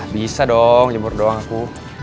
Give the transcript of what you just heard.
bisa dong jemur doang aku